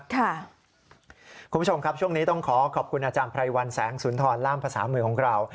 คุณผู้ชมครับช่วงนี้ต้องขอขอบคุณอาจารย์ไพรวัลแสงสุนทรล่ามภาษามือของเรา